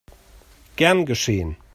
Gern geschehen!